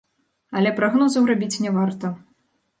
Але прагнозаў рабіць не варта.